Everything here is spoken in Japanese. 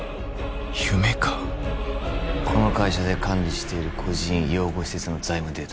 夢かこの会社で管理している孤児院養護施設の財務データだ